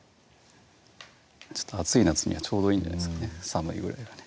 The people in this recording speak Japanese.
暑い夏にはちょうどいいんじゃないですかね寒いぐらいがね